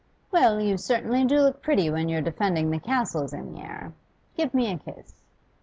'Well, you certainly do look pretty when you're defending the castles in the air. Give me a kiss.